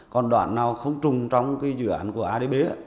còn đoạn nào không trùng trong dự án của adb